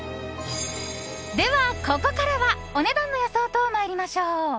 では、ここからはお値段の予想と参りましょう！